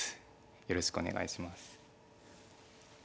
よろしくお願いします。